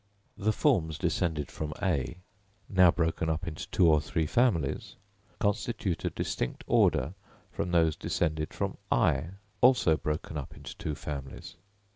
The forms descended from A, now broken up into two or three families, constitute a distinct order from those descended from I, also broken up into two families.